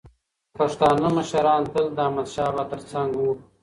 پښتانه مشران تل د احمدشاه بابا تر څنګ وو.